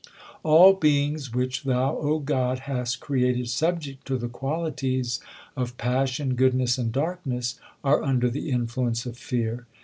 All beings which Thou, God, hast created subject to the qualities of passion, goodness, and darkness are under the influence of fear.